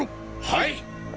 はい！